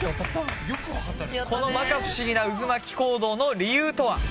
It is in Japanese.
この摩訶不思議な渦巻き行動の理由とは？